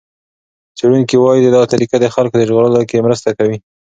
څېړونکي وايي دا طریقه د خلکو ژغورلو کې مرسته کوي.